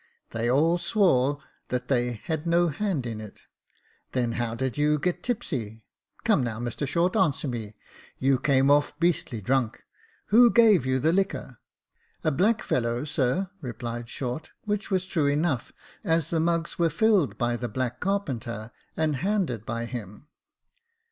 They all swore that they had no hand in it. * Then how did you get tipsy ? Come now, Mr Short, answer me ; you came off beastly drunk — who gave you the liquor ?'"* A black fellow, sir,' replied Short ; which was true enough, as the mugs were filled by the black carpenter, and handed by him.